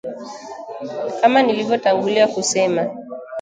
Kama nilivyotangulia kusema